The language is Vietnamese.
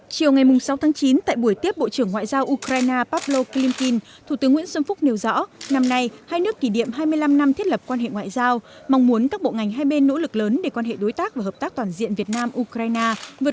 chiều ngày sáu tháng chín tại buổi tiếp bộ trưởng ngoại giao ukraine pavlo clim kin thủ tướng nguyễn xuân phúc nêu rõ năm nay hai nước kỷ niệm hai mươi năm năm thiết lập quan hệ ngoại giao mong muốn các bộ ngành hai bên nỗ lực lớn để quan hệ đối tác và hợp tác toàn diện việt nam ukraine